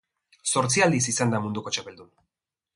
Zortzi aldiz izan da munduko txapeldun.